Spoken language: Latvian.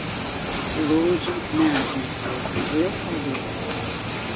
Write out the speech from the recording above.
Lūdzu, neaizmirstiet. Liels paldies.